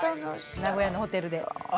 名古屋のホテルで。